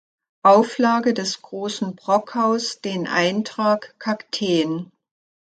Auflage des "Großen Brockhaus" den Eintrag „Kakteen“.